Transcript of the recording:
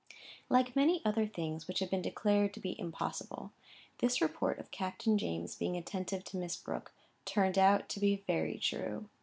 Like many other things which have been declared to be impossible, this report of Captain James being attentive to Miss Brooke turned out to be very true.